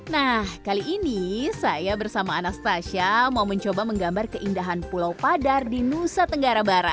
nah kali ini saya bersama anastasia mau mencoba menggambar keindahan pulau pajang